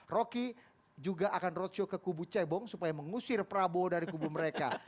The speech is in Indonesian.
rocky juga akan roadshow ke kubu cebong supaya mengusir prabowo dari kubu mereka